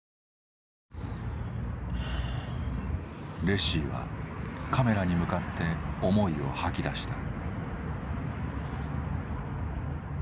レシィはカメラに向かって思いを吐き出した。